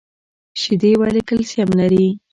شیدې ولې کلسیم لري؟